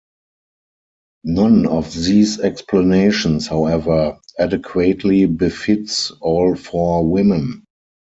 None of these explanations, however, adequately befits all four women.